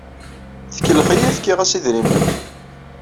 Tkellex-iyi, fkiɣ-as idrimen.